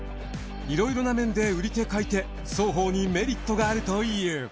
いろいろな面で売り手買い手双方にメリットがあるという。